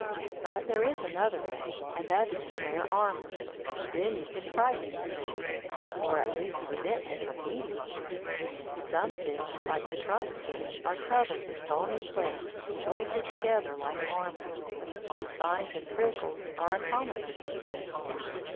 But there is another way, and that is to wear armour. Then you can frighten your enemy, or at least prevent him from eating you. Some fish, like the Trunk Fish, (p. 52, No. 6), are covered with bony plates, jointed together like armour. Spines and prickles are a commoner defence.